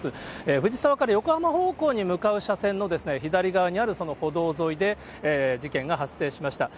藤沢から横浜方向に向かう車線にある歩道沿いで事件が発生しました。